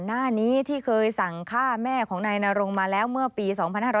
หน้านี้ที่เคยสั่งฆ่าแม่ของนายนรงมาแล้วเมื่อปี๒๕๕๙